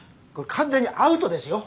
完全にアウトですよ？